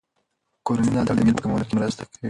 کورني ملاتړ د میل په کمولو کې مرسته کوي.